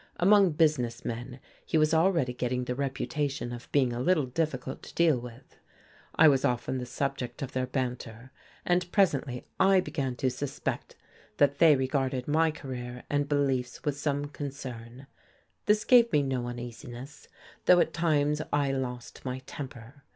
Among "business men" he was already getting the reputation of being a little difficult to deal with. I was often the subject of their banter, and presently I began to suspect that they regarded my career and beliefs with some concern. This gave me no uneasiness, though at limes I lost my temper.